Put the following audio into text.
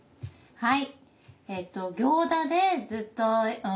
はい。